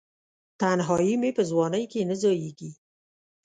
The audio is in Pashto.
تنهایې مې په ځوانۍ کې نه ځائیږې